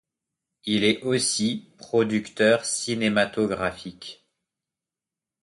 Il est aussi producteur cinématographique.